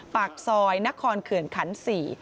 ปากซอยนครเขื่อนขัน๔